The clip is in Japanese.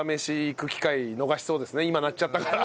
今鳴っちゃったから。